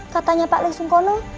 katanya pak lek sungkono